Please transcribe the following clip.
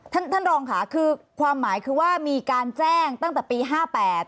ท่านท่านรองค่ะคือความหมายคือว่ามีการแจ้งตั้งแต่ปีห้าแปด